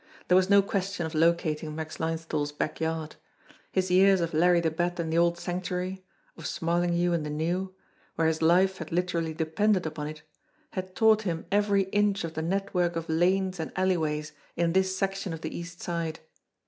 There was no question of locating Max Linesthal's back yard. His years of Larry the Bat in the old Sanctuary, of Smarl inghue in the new, where his life had literally depended upon it, had taught him every inch of the network of lanes and alleyways in this section of the East Side.